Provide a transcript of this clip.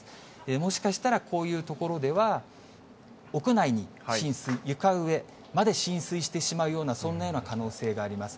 もしかしたらこういう所では屋内に浸水、床上まで浸水してしまうような、そんなような可能性があります。